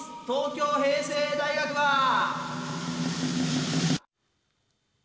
東京平成大学は！